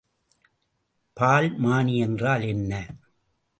பால்மானி என்றால் என்ன?